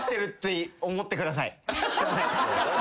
すいません。